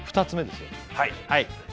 ２つ目ですよ